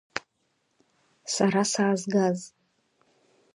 Сара саазгаз…